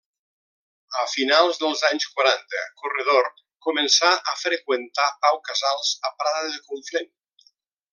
A finals dels anys quaranta, Corredor començà a freqüentar Pau Casals a Prada de Conflent.